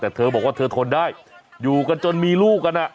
แต่เธอบอกว่าเธอทนได้อยู่กันจนมีลูกกัน